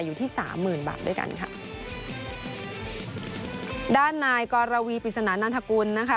อยู่ที่สามหมื่นบาทด้วยกันค่ะด้านนายกรวีปริศนานันทกุลนะคะ